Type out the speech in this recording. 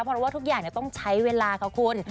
เพราะว่าทุกอย่างต้องใช้เวลาค่ะคุณ